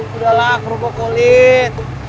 sudahlah kerupuk kulit